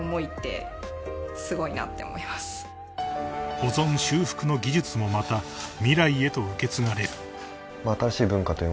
［保存修復の技術もまた未来へと受け継がれる］